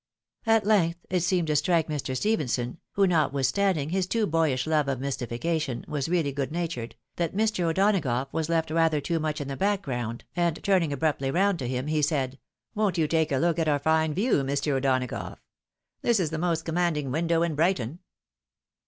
At length it seemed to strike Mr. Stephenson, who, not withstanding his too boyish love of mystification, was really good natured, that Mr. O'Donagough was left rather too much in the baok groimd, and turning abruptly round to him, he said, " Won't you take a look at our fine view, Mr. O'Dona gough. This is the most commanding window in Brighton."